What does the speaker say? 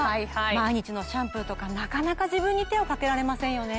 毎日のシャンプーとかなかなか自分に手をかけられませんよね。